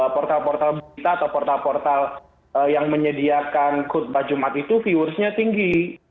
portal portal kita atau portal portal yang menyediakan khutbah jumat itu viewers nya tinggi